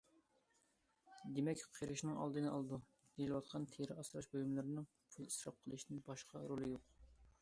دېمەك، قېرىشنىڭ ئالدىنى ئالىدۇ، دېيىلىۋاتقان تېرە ئاسراش بۇيۇملىرىنىڭ پۇل ئىسراپ قىلىشتىن باشقا رولى يوق.